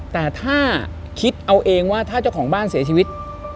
แต่ถ้าคิดเอาเองว่าถ้าเจ้าของบ้านเสียชีวิต